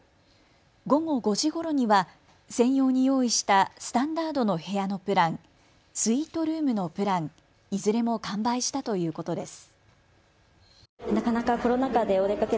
午後５時ごろには専用に用意したスタンダードの部屋のプラン、スイートルームのプランいずれも完売したということです。